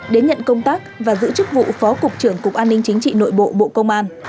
đến nhận công tác và giữ chức vụ phó cục trưởng cục an ninh chính trị nội bộ bộ công an